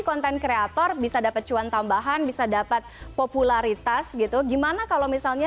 konten kreator bisa dapat cuan tambahan bisa dapat popularitas gitu gimana kalau misalnya